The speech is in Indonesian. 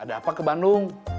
ada apa ke bandung